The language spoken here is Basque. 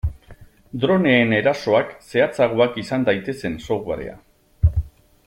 Droneen erasoak zehatzagoak izan daitezen softwarea.